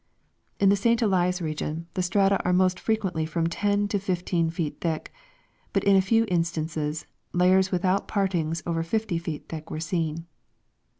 In the St. Elias region the strata are most frequently fr«)m ten to fifteen feet thick, but in a f(;w instances layers without partings over fifty feet thick were seen.